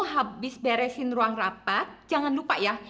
habis beresin ruang rapat jangan lupa ya